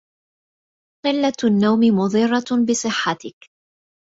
قلة النوم مضرة بصحتك.